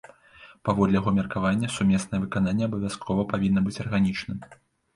Паводле яго меркавання, сумеснае выкананне абавязкова павінна быць арганічным.